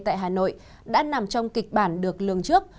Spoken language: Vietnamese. tại hà nội đã nằm trong kịch bản được lường trước